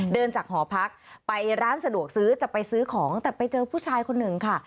เดินจากหอพักไปร้านสะดวกซื้อจะไปซื้อของแต่ไปเจอผู้ชายคนหนึ่งค่ะ